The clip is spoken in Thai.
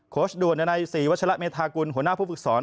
ด่วนในศรีวัชละเมธากุลหัวหน้าผู้ฝึกสอน